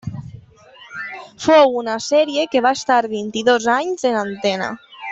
Fou una sèrie que va estar vint-i-dos anys en antena.